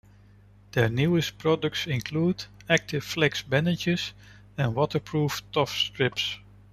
Their newest products include Active Flex bandages and waterproof Tough Strips.